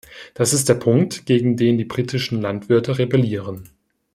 Das ist der Punkt, gegen den die britischen Landwirte rebellieren.